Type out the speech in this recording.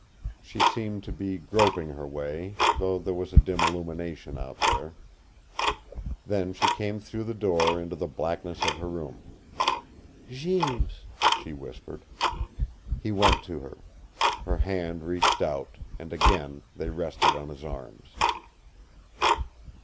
She seemed to be groping her way, though there was a dim illumination out there. Then she came through the door into the blackness of her room. "Jeems," she whispered. He went to her. Her hands reached out, and again they rested on his arms.